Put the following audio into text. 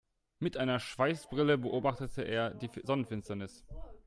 Mit einer Schweißbrille beobachtete er die Sonnenfinsternis.